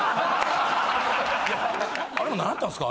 あれも何やったんすか？